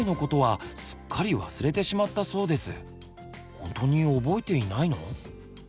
本当に覚えていないの？